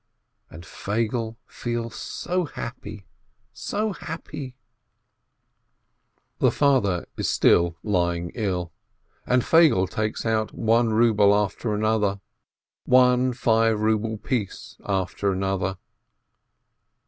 And Feigele feels so happy, so happy ... The father is still lying ill, and Feigele takes out one ruble after another, one five ruble piece after another.